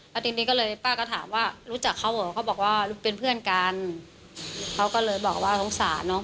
แล้วทีนี้ก็เลยป้าก็ถามว่ารู้จักเขาเหรอเขาบอกว่าเป็นเพื่อนกันเขาก็เลยบอกว่าสงสารเนอะ